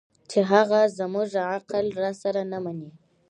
چې هغه زموږ عقل راسره نه مني